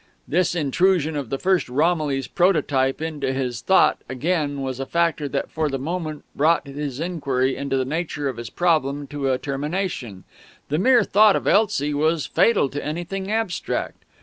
This intrusion of the first Romilly's prototype into his thought again was a factor that for the moment brought his inquiry into the nature of his problem to a termination; the mere thought of Elsie was fatal to anything abstract.